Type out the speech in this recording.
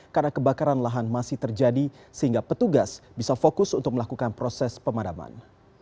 karena kebakaran lahan masih terjadi sehingga petugas bisa fokus untuk melakukan proses pemadaman